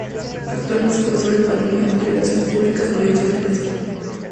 Actualmente es profesor Economía y Relaciones Públicas en la Universidad de Princeton.